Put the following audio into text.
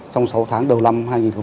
trong sáu tháng đầu năm hai nghìn hai mươi